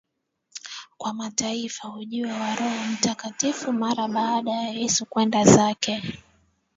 kwa Mataifa Ujio wa Roho Mtakatifu Mara baada ya Yesu kwenda zake